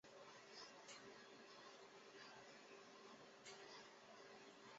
柿田川流经町内。